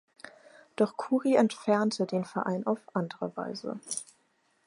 Doch Kuri „entfernte“ den Verein auf andere Weise.